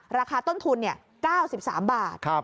ราคาต้นทุน๙๓บาท